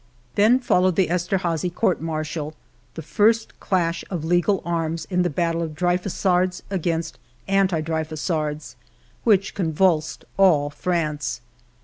Then followed the Esterhazy court martial, the first clash of legal arms in the battle of Drey xii , EDITOR'S PREFACE fusards against Anti Dreyfusards, which con vulsed all France.